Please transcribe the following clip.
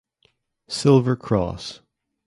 Silver cross.